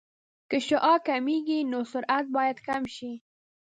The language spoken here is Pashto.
که شعاع کمېږي نو سرعت باید کم شي